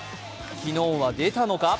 昨日は出たのか？